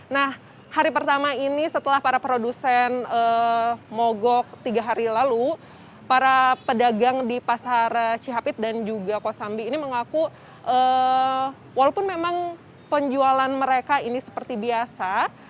nah hari pertama ini setelah para produsen mogok tiga hari lalu para pedagang di pasar cihapit dan juga kosambi ini mengaku walaupun memang penjualan mereka ini seperti biasa